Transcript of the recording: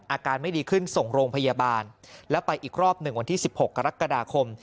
อาการไม่ดีขึ้นส่งโรงพยาบาลแล้วไปอีกรอบหนึ่งวันที่๑๖กรกฎาคม